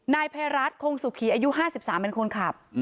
นายภัยรัฐคงสุขีอายุ๕๓เป็นคนขับ